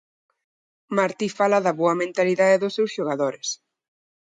Martí fala da boa mentalidade dos seus xogadores.